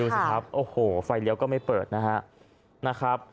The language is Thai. สิครับโอ้โหไฟเลี้ยวก็ไม่เปิดนะครับ